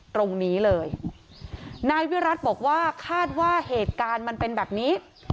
ตรงนี้เลยนายวิรัติบอกว่าคาดว่าเหตุการณ์มันเป็นแบบนี้